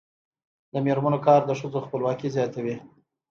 د میرمنو کار د ښځو خپلواکي زیاتوي.